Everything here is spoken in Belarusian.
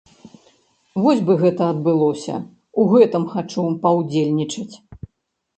Вось бы гэта адбылося, у гэтым хачу паўдзельнічаць!